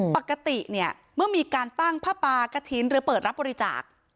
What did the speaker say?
ปกติเนี่ยเมื่อมีการตั้งผ้าปากถิ่นหรือเปิดรับบริจาค